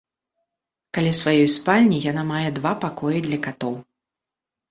Каля сваёй спальні яна мае два пакоі для катоў.